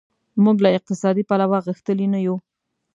موږ له اقتصادي پلوه غښتلي نه یو.